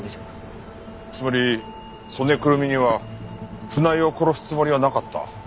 つまり曽根くるみには船井を殺すつもりはなかった。